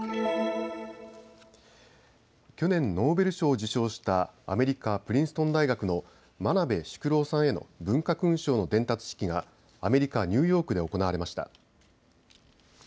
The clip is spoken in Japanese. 去年、ノーベル賞を受賞したアメリカ・プリンストン大学の真鍋淑郎さんへの文化勲章の伝達式がアメリカ・ニューヨークで行われました。